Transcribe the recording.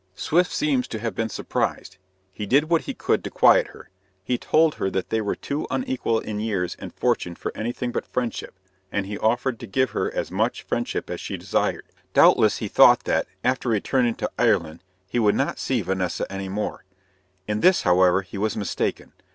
Swift seems to have been surprised. He did what he could to quiet her. He told her that they were too unequal in years and fortune for anything but friendship, and he offered to give her as much friendship as she desired. Doubtless he thought that, after returning to Ireland, he would not see Vanessa any more. In this, however, he was mistaken.